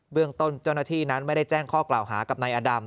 เรื่องต้นเจ้าหน้าที่นั้นไม่ได้แจ้งข้อกล่าวหากับนายอดำ